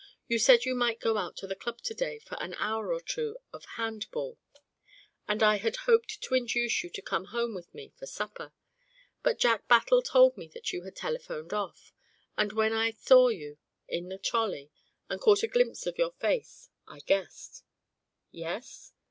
You said you might go out to the Club to day for an hour or two of hand ball, and I had hoped to induce you to come home with me for supper. But Jack Battle told me that you had telephoned off and when I saw you in the trolley, and caught a glimpse of your face, I guessed " "Yes?"